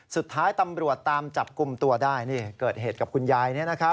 สุดท้ายตำรวจตามจับกุมตัวได้นี่เกิดเหตุกับคุณยายเนี้ยนะครับ